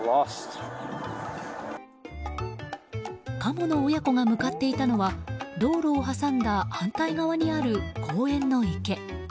カモの親子が向かっていたのは道路を挟んだ反対側にある公園の池。